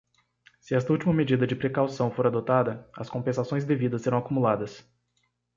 Se esta última medida de precaução for adotada, as compensações devidas serão acumuladas.